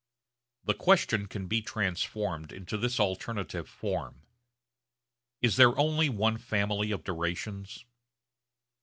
The question can be transformed into this alternative form, Is there only one family of durations?